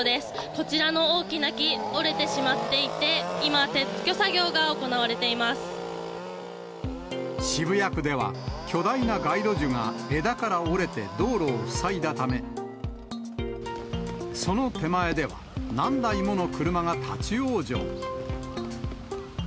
こちらの大きな木、折れてしまっていて、今、撤去作業が行われて渋谷区では、巨大な街路樹が枝から折れて道路を塞いだため、その手前では、何台もの車が立往生。